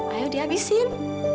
ayu di abisin